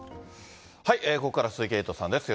ここからは鈴木エイトさんです。